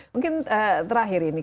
mungkin terakhir ini